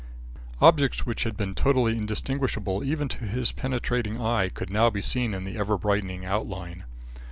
Objects which had been totally indistinguishable even to his penetrating eye could now be seen in ever brightening outline.